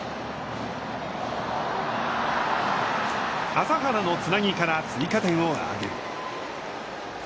麻原のつなぎから追加点を挙げる。